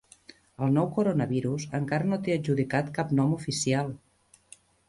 El nou coronavirus encara no té adjudicat cap nom oficial